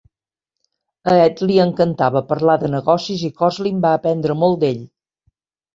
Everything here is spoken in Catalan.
A Ed li encantava "parlar de negocis" i Kosslyn va aprendre molt d'ell.